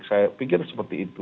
saya pikir seperti itu